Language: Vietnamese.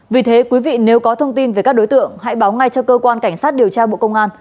vì thế quý vị nếu có thông tin về các đối tượng hãy báo ngay cho cơ quan cảnh sát điều tra bộ công an